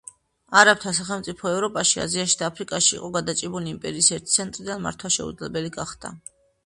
არაბთა სახელმწიფო ევროპაში, აზიაში და აფრიკაში იყო გადაჭიმული, იმპერიის ერთი ცენტრიდან მართვა შეუძლებელი გახდა.